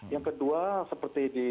yang kedua seperti di jepang ya